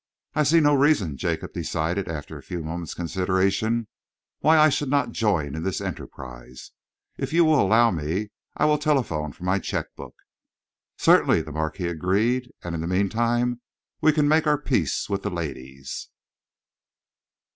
"I see no reason," Jacob decided, after a few moments' consideration, "why I should not join in this enterprise. If you will allow me, I will telephone for my cheque book." "Certainly," the Marquis agreed, "and in the meantime we can make our peace with the ladies."